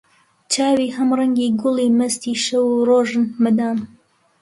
چاوی هەم ڕەنگی گوڵی، مەستی شەو و ڕۆژن مەدام